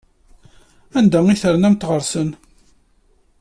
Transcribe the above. Anda ay ternamt ɣer-sen?